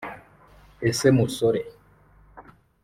Ese musore